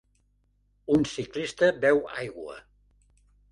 Un ciclista beu aigua